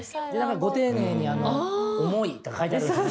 ご丁寧に「重い」って書いてあるんです